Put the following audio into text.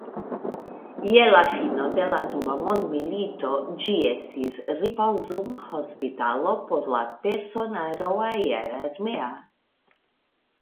Je la fino de la Dua mondmilito ĝi estis ripozumhospitalo por la personaro aerarmea.